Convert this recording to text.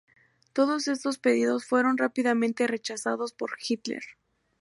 Todos estos pedidos fueron rápidamente rechazados por Hitler.